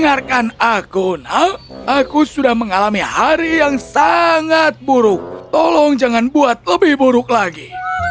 dengarkan aku nak aku sudah mengalami hari yang sangat buruk tolong jangan buat lebih buruk lagi